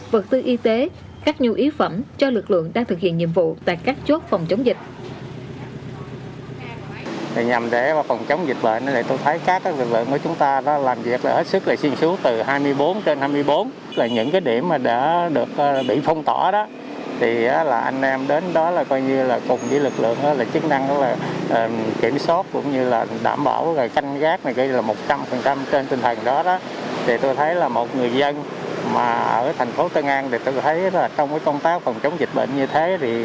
vật tư y tế các nhu y phẩm cho lực lượng đang thực hiện nhiệm vụ tại các chốt phòng chống dịch